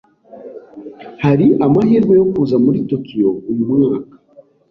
Hari amahirwe yo kuza muri Tokiyo uyu mwaka?